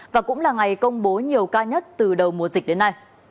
và cũng là ngày công bố nhiều ca nhất từ đầu mùa dịch đến nay